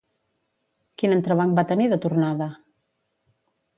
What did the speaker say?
Quin entrebanc va tenir de tornada?